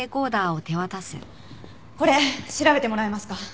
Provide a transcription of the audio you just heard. これ調べてもらえますか？